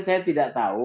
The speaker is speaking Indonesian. saya tidak tahu